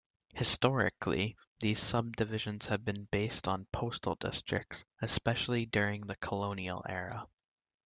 Historically, these subdivisions have been based on postal districts, especially during the colonial era.